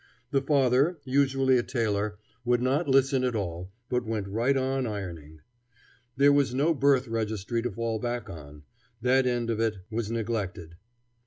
The father, usually a tailor, would not listen at all, but went right on ironing. There was no birth registry to fall back on; that end of it was neglected.